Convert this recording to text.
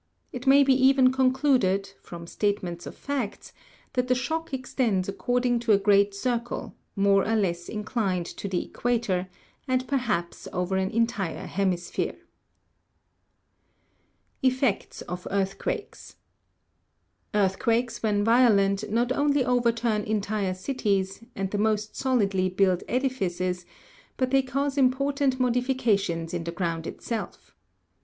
It may beeren concluded, from statements of facts, that the shock extends accord ing to a great circle, more or less inclined to the equator, and per haps over an entire hemisphere. 4. Effects of Earthquakes. Earthquakes, when violent, not only overturn entire cities, and the most solidly built edifices, but they cause important modifications" in the ground itself.